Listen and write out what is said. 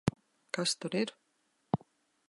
Kas tur ir?